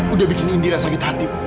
udah bikin indira sakit hati